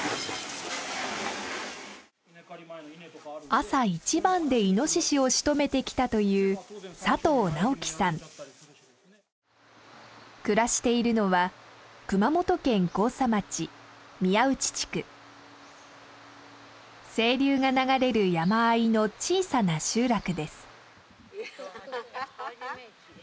朝一番でイノシシをしとめてきたという暮らしているのは清流が流れる山あいの小さな集落です。